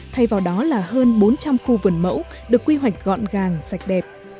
thay vào đó là hơn bốn trăm linh khu vườn mẫu được quy hoạch gọn gàng sạch đẹp